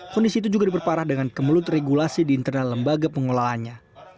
kondisi itu juga diperparah dengan kemelut regulasi di internal lembaga pengelolaannya